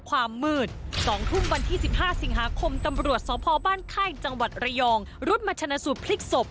การคมตำรวจสอบภาพบ้านไข้จังหวัดระยองรุธมชนสูตรพลิกศพ